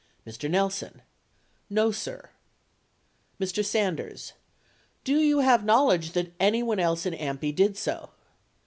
Mr. Nelson. No, sir. Mr. Sanders. Do you have knowledge that anyone else in AMPI did so